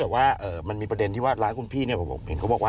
แล้วเดี๋ยวช่องนู้นช่องนี้ไม่รู้อะไรยุ่งกันไปหมด